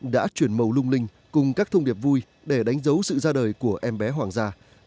đã chuyển màu lung linh cùng các thông điệp vui để đánh dấu sự ra đời của em bé hoàng gia